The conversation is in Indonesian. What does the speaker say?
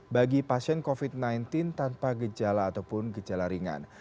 bagi pasien covid sembilan belas tanpa gejala ataupun gejala ringan